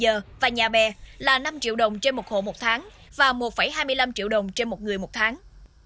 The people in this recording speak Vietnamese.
giờ và nhà bè là năm triệu đồng trên một hộ một tháng và một hai mươi năm triệu đồng trên một người một tháng